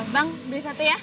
bang beli satu ya